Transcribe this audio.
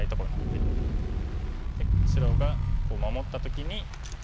で白が守った時に。